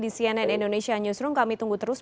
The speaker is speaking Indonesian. di cnn indonesia newsroom kami tunggu terus